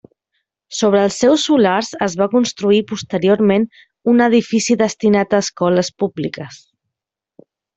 Sobre els seus solars es va construir posteriorment un edifici destinat a escoles públiques.